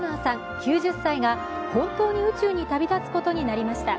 ９０歳が本当に宇宙に旅立つことになりました。